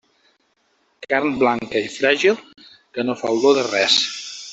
Carn blanca i fràgil que no fa olor de res.